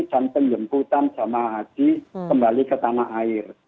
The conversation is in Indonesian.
dan penjemputan jamaah haji kembali ke tanah air